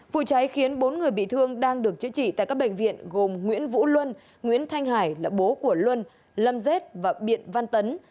vụ cháy khiến bốn người bị thương đang được chữa trị tại các bệnh viện gồm nguyễn vũ luân nguyễn thanh hải là bố của luân lâm dết và biện văn tấn